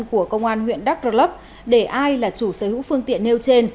của công an huyện đắk rơ lấp để ai là chủ sở hữu phương tiện nêu trên